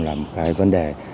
là một cái vấn đề